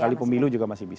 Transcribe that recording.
kali pemilu juga masih bisa